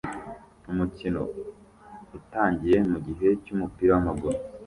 Umukino utangiye mugihe cyumupira wamaguru